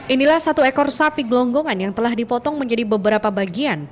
inilah satu ekor sapi gelonggongan yang telah dipotong menjadi beberapa bagian